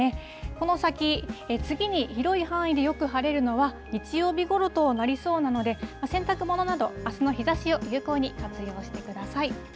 この先、次に広い範囲でよく晴れるのは日曜日ごろとなりそうなので、洗濯物など、あすの日ざしを有効に活用してください。